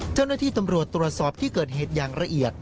เจ้าหน้าที่ตำรวจตรวจสอบที่เกิดเหตุอย่างละเอียด